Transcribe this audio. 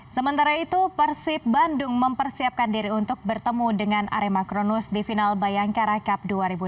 sementara itu persib bandung mempersiapkan diri untuk bertemu dengan arema kronus di final bayangkara cup dua ribu delapan belas